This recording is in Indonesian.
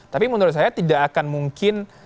tapi menurut saya tidak akan mungkin